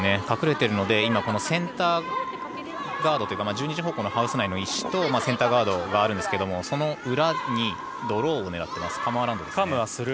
隠れているのでセンターガードというか１２時方向のハウス内の石とセンターガードがありますがその裏にドローを狙っていますね。